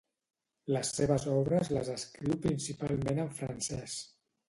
Les seves obres les escriu principalment en francès.